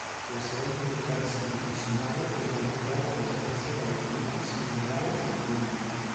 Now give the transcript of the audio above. La seva importància nutricional és deguda a la presència de vitamines, minerals i fibra.